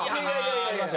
あります